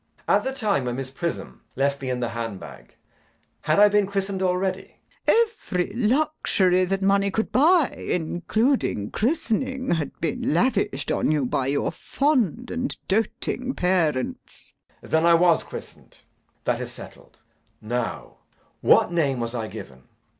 At the time when Miss Prism left me in the hand bag, had I been christened already? LADY BRACKNELL. Every luxury that money could buy, including christening, had been lavished on you by your fond and doting parents. JACK. Then I was christened! That is settled. Now, what name was I given?